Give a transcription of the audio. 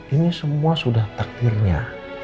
ini semua sudah takdirnya